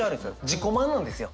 自己満なんですよ。